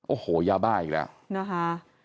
โอ้โหยาบ้าอีกแล้วนะคะ